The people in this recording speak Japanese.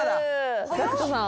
ＧＡＣＫＴさん